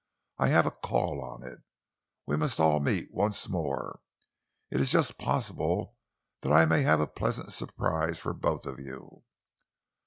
I have a call on it. We must all meet once more. It is just possible that I may have a pleasant surprise for both of you."